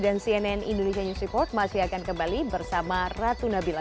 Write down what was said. dan cnn indonesia news report masih akan kembali bersama ratu nabila